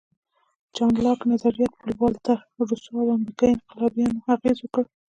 د جان لاک نظریات پر والټر، روسو او امریکایي انقلابیانو اغېز وکړ.